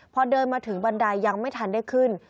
พอเดินมาถึงบันไดยังไม่ทันได้ขึ้น